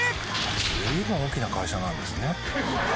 ずいぶん大きな会社なんですね。